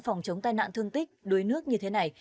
phòng chống tai nạn thương tích đuối nước như thế này